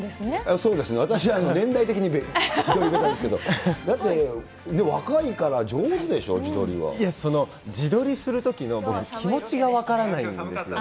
そうですね、私は年代的に自撮り下手ですけど、だって、若いから上手でしょ、いや、その自撮りするときの僕、気持ちが分からないんですよ。